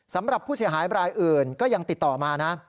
สำหรับผู้เสียหายบรายอื่นก็ยังติดต่อมานะ